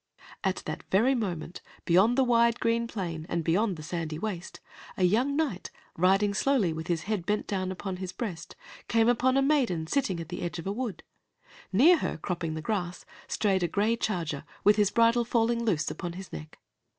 At that very moment, beyond the wide green plain, and beyond the sandy waste, a young knight, riding slowly, with his head bent down upon his breast, came upon a maiden sitting at the edge of a wood. Near her, cropping the grass, strayed a gray charger, with his bridle falling loose upon his neck.